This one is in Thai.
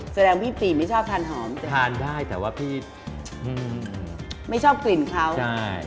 แสดงพี่ปีไม่ชอบทานหอมจ้ทานได้แต่ว่าพี่ไม่ชอบกลิ่นเขาใช่